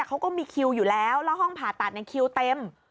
เขาก็มีคิวอยู่แล้วแล้วห้องผ่าตัดในคิวเต็ม